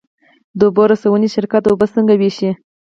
د اوبو رسونې شرکت اوبه څنګه ویشي؟